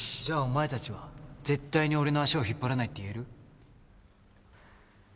じゃあお前たちは絶対に俺の足を引っ張らないって言える？